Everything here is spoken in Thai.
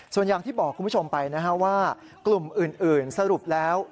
ส่วนอย่างที่บอกคุณผู้ชมไปนะฮะว่ากลุ่มอื่นสรุปแล้ว